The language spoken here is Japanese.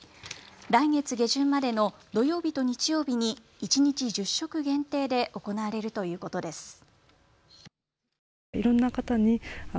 来月下旬までの土曜日と日曜日に一日１０食限定で行われるということです。